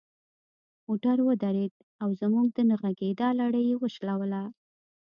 موټر ودرید او زموږ د نه غږیدا لړۍ یې وشلوله.